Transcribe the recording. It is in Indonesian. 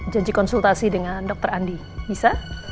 janji konsultasi dengan dokter andi bisa